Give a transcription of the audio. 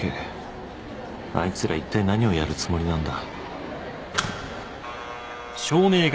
あいつら一体何をやるつもりなんだ？